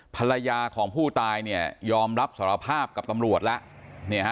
ภรรยาของผู้ตายเนี่ยยอมรับสารภาพกับตำรวจแล้ว